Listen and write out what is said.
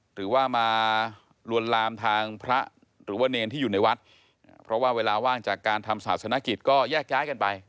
หรือว่ามาลวนลามทางพระหรือว่าเนรที่อยู่ในวัดเพราะว่าเวลาว่างจากการทำศาสนกิจก็แยกย้ายกันไป